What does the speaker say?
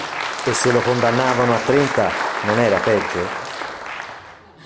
E se lo condannavano a trenta non era peggio?